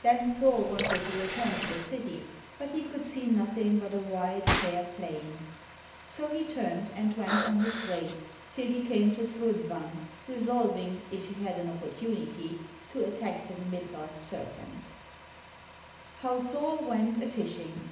Then Thor wanted to return to the city, but he could see nothing but a wide fair plain. So he turned, and went on his way till he came to Thrudvang, resolving if he had an opportunity to attack the Midgard serpent. HOW THOR WENT A FISHING.